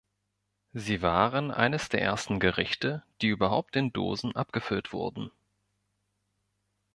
Sie waren eines der ersten Gerichte, die überhaupt in Dosen abgefüllt wurden.